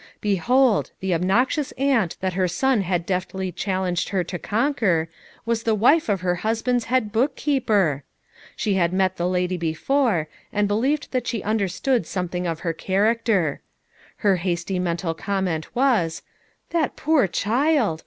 Behold, the obnoxious aunt that her son had deftly challenged her to conquer, was the wife of her husband's head bookkeeper ! She had met the lady before, and believed that she understood something of her character. Her hasty mental comment was: "That poor child!